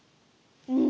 うん。